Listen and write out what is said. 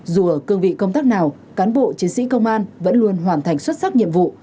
dù ở cương vị công tác nào cán bộ chiến sĩ công an vẫn luôn hoàn thành xuất sắc nhiệm vụ